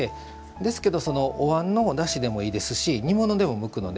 ですけどおわんのおだしでもいいですし煮物でも向くので。